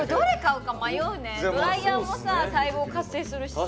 ドライヤーも細胞活性するしさ